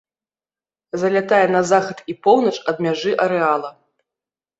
Залятае на захад і поўнач ад мяжы арэала.